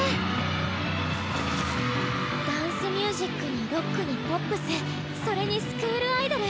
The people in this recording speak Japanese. ダンスミュージックにロックにポップスそれにスクールアイドル。